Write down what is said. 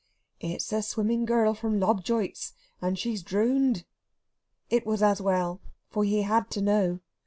"It's the swimming girl from Lobjoit's, and she's drooned." It was as well, for he had to know.